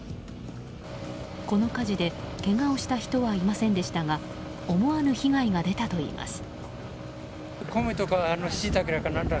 この火事でけがをした人はいませんでしたが思わぬ被害が出たといいます。